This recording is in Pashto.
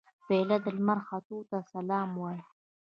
پیاله د لمر ختو ته سلام وايي.